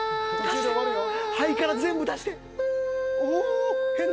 肺から全部出して。